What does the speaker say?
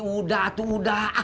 udah tuh udah